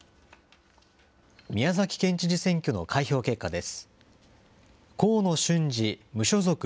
宮崎県知事選挙の開票結果です。